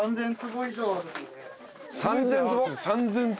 ３，０００坪？